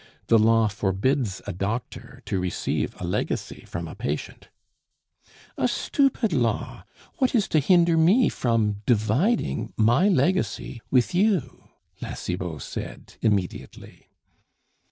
The law forbids a doctor to receive a legacy from a patient " "A stupid law! What is to hinder me from dividing my legacy with you?" La Cibot said immediately.